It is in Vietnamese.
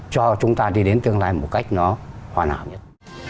cho chúng ta đi đến tương lai một cách nó hoàn hảo nhất